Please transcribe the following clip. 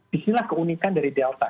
disinilah keunikan dari delta